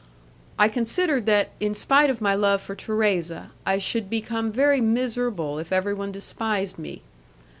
I considered that, in spite of my love for Thérèse, I should become very miserable if everyone despised me.